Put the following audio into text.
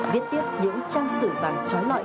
viết tiếp những trang sử vàng trói lọi